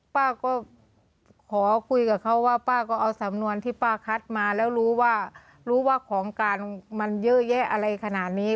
ป้าก็ขอคุยกับเขาว่าป้าก็เอาสำนวนที่ป้าคัดมาแล้วรู้ว่ารู้ว่าของการมันเยอะแยะอะไรขนาดนี้